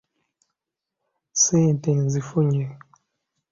Ssente nzifunye.